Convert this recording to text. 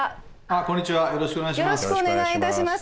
こんにちはよろしくお願いします。